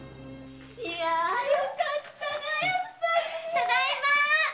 ただいまー！